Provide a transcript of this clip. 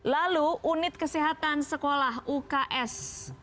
lalu unit kesehatan sekolah uks